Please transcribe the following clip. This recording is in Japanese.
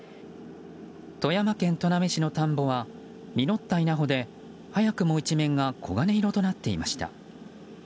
富山県砺波市の田んぼは実った稲穂で早くも一面が黄金色となっていました。